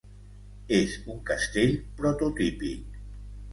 És un castell prototípic.